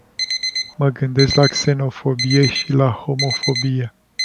Mă gândesc la xenofobie și la homofobie.